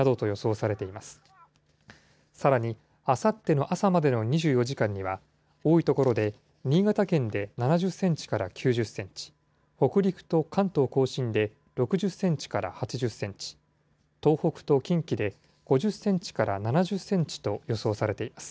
さらにあさっての朝までの２４時間には、多い所で新潟県で７０センチから９０センチ、北陸と関東甲信で６０センチから８０センチ、東北と近畿で５０センチから７０センチと予想されています。